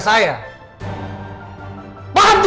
menyentuh keluarga saya